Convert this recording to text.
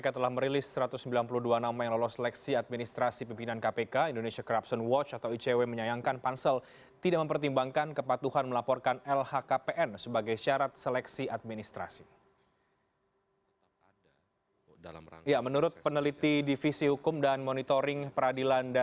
terima kasih terima kasih atas segala perhatiannya